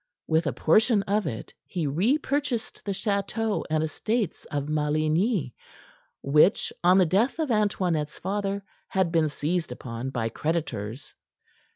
With a portion of it he repurchased the chateau and estates of Maligny, which on the death of Antoinette's father had been seized upon by creditors.